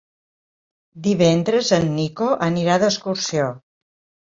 Divendres en Nico anirà d'excursió.